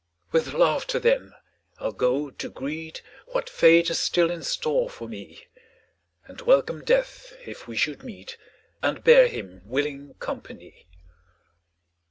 With laughter, then, I'll go to greet What Fate has still in store for me, And welcome Death if we should meet, And bear him willing company.